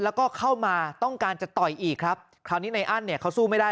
แล้วก็เข้ามาต้องการจะต่อยอีกครับคราวนี้ในอั้นเนี่ยเขาสู้ไม่ได้